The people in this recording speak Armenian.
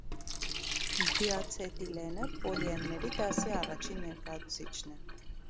Դիացետիլենը պոլիինների դասի առաջին ներկայացուցիչն է։